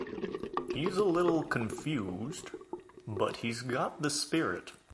He's a little confused but he's got the spirit.